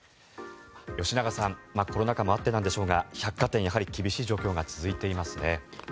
吉永さんコロナ禍もあってなんでしょうが百貨店、やはり厳しい状況が続いていますね。